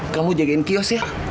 kamu jagain kios ya